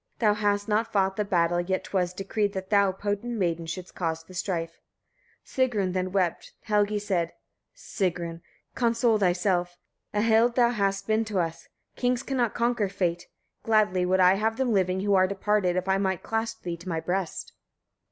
Thou hast not fought the battle, yet 'twas decreed, that thou, potent maiden! shouldst cause the strife. Sigrun then wept. Helgi said: 27. Sigrun! console thyself; a Hild thou hast been to us. Kings cannot conquer fate: gladly would I have them living who are departed, if I might clasp thee to my breast.